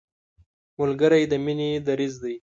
ملګری د مینې دریځ دی